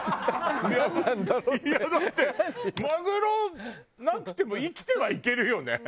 いやだってマグロなくても生きてはいけるよね！